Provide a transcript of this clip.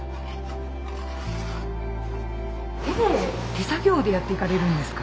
手で手作業でやっていかれるんですか？